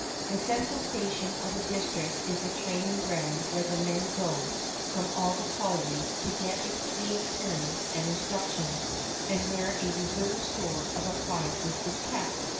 The central station of the district is the training ground where the men go from all the collieries to get the experience and instruction, and where a reserve store of appliances is kept.